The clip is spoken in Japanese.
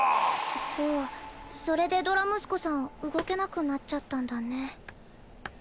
そうそれでドラムスコさん動けなくなっちゃったんだね。